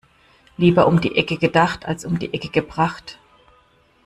Lieber um die Ecke gedacht als um die Ecke gebracht.